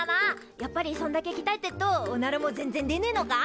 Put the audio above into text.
やっぱりそんだけきたえてっとおならも全然出ねえのか？